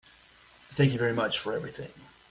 Thank you very much for everything.